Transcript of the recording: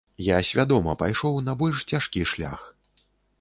Я свядома пайшоў на больш цяжкі шлях.